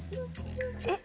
えっ？